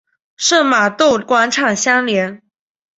圣玛窦广场相连。